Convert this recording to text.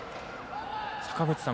坂口さん